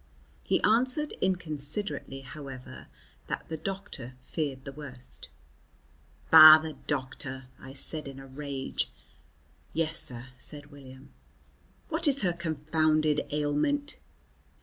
He answered inconsiderately, however, that the doctor feared the worst. "Bah, the doctor," I said in a rage. "Yes, sir," said William. "What is her confounded ailment?"